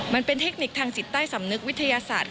เทคนิคทางจิตใต้สำนึกวิทยาศาสตร์